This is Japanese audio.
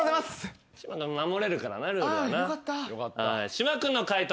島君の解答